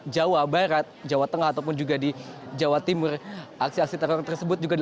jawa barat jawa tengah ataupun juga di jawa timur aksi aksi teror tersebut juga dilakukan